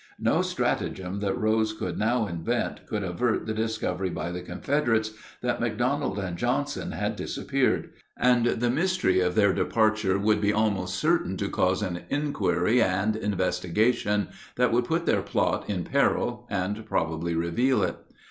No stratagem that Rose could now invent could avert the discovery by the Confederates that McDonald and Johnson had disappeared, and the mystery of their departure would be almost certain to cause an inquiry and investigation that would put their plot in peril and probably reveal it.